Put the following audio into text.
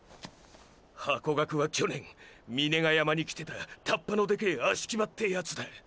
ハコガクは去年峰ヶ山にきてたタッパのでけぇ葦木場ってヤツだ。